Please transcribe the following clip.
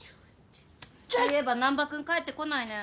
そういえば難破君帰ってこないね。